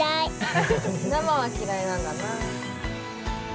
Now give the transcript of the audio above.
生はきらいなんだな。